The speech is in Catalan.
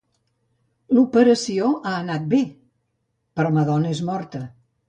L'operació ha anat bé, però madona és morta.